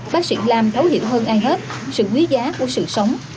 bác sĩ làm thấu hiểu hơn ai hết sự quý giá của sự sống